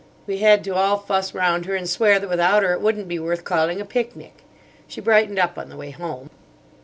We had to all fuss round her, and swear that without her it wouldn't be worth calling a picnic. She brightened up on the way home."